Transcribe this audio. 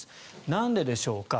なんででしょうか。